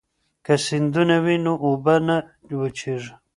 که سیندونه وي نو اوبه نه وچېږي.